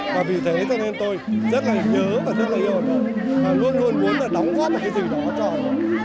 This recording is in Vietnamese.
và vì thế cho nên tôi rất là nhớ và rất là yêu hà nội và luôn luôn muốn đóng góp một cái gì đó cho hà nội